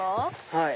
はい。